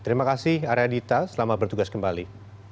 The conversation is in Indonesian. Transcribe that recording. terima kasih arya dita selamat bertugas kembali